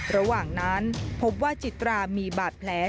ระหว่างนั้นพบว่าจิตรามีบาดแผล